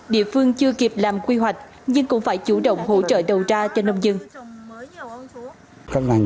địa phương chưa kịp làm quy hoạch nhưng cũng phải chủ động hỗ trợ đầu ra cho nông dân